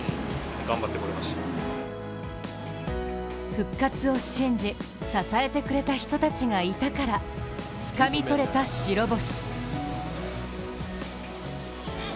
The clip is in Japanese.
復活を信じ支えてくれた人たちがいたからつかみ取れた白星。